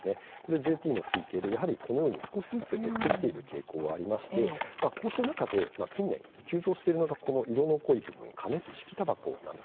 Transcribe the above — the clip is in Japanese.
ＪＴの推計で少しずつ減ってきている傾向がありましてこうした中で近年急増しているのが色の濃い部分加熱式たばこです。